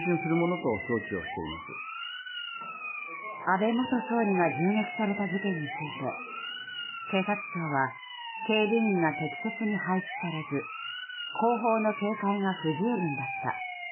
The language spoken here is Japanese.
安倍元総理が銃撃された事件について警察庁は警備員が適切に配置されず後方の警戒が不十分だった。